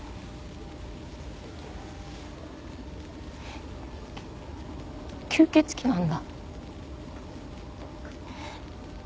きゅ吸血鬼なんだ。